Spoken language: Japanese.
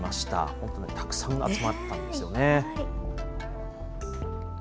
本当ね、たくさん集まったんですよね。